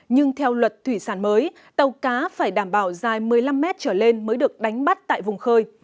nhưng theo luật thủy sản mới tàu cá phải đảm bảo dài một mươi năm mét trở lên mới được đánh bắt tại vùng khơi